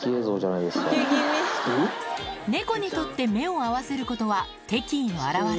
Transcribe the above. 猫にとって目を合わせることは、敵意の表れ。